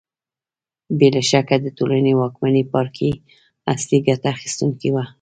بې له شکه د ټولنې واکمن پاړکي اصلي ګټه اخیستونکي وو